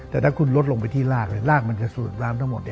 แต่ถ้าคุณลดลงไปที่รากรากมันจะสูบน้ำทั้งหมด